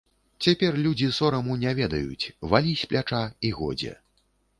Цяпер людзі сораму не ведаюць, валі з пляча, і годзе.